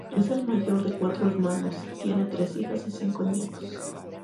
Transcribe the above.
Es el mayor de cuatro hermanos, tiene tres hijas y cinco nietos.